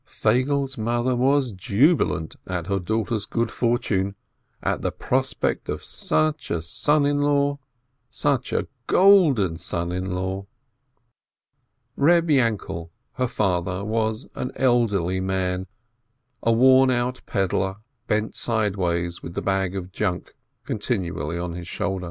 Feigele's mother was jubilant at her daugh ter's good fortune, at the prospect of such a son in law, such a golden son in law ! Reb Yainkel, her father, was an elderly man, a worn out peddler, bent sideways with the bag of junk con tinually on his shoulder.